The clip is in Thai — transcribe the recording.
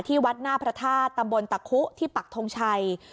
วัดหน้าพระธาตุตำบลตะคุที่ปักทงชัย